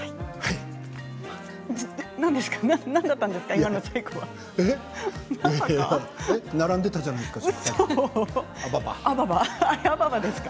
いやいや並んでいたじゃないですか。